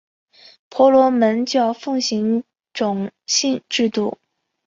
婆罗门教奉行种姓制度。